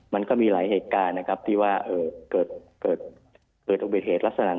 มันก็มีหลายเหตุการณ์นะครับที่ว่าเกิดอุบัติเหตุลักษณะ